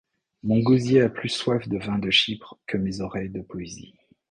Mon gosier a plus soif de vin de Chypre que mes oreilles de poésie.